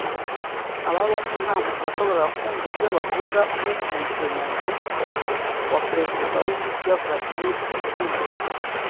Aba bombi nta muntu washoboraga kumva ibyo bavugana uretse umusemuzi wa Perezida w’ u Burusiya Vladmir Putin